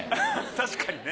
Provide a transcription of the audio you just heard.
確かにね。